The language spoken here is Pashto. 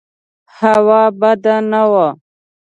هوا بده نه وه.